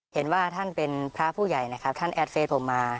เห็นว่าท่านเป็นพระผู้ใหญ่นะครับท่านแอดเฟสผมมา